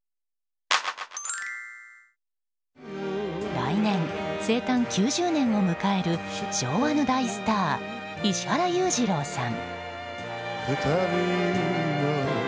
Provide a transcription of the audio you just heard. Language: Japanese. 来年、生誕９０年を迎える昭和の大スター、石原裕次郎さん。